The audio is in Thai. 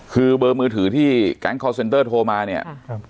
คือเบอร์มือถือที่การ์นคอลเซ็นเตอร์โทรมาเนี่ย